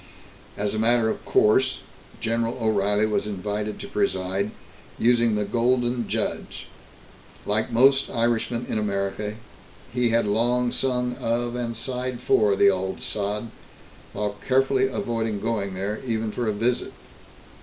As a matter of course, General O'Reilly was invited to preside, using the Golden Judge. Like most Irishmen in America, he had long sung of and sighed for the Auld Sod, while carefully avoiding going there, even for a visit.